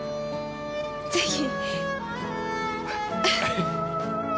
ぜひ。